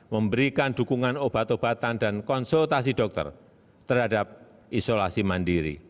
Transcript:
memberikan dukungan obat obatan dan konsultasi dokter terhadap isolasi mandiri